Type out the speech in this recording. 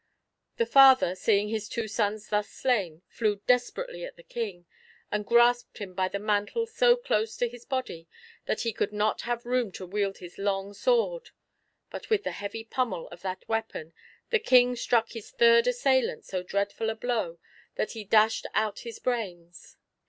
The father, seeing his two sons thus slain, flew desperately at the King, and grasped him by the mantle so close to his body, that he could not have room to wield his long sword. But with the heavy pummel of that weapon the King struck this third assailant so dreadful a blow, that he dashed out his brains.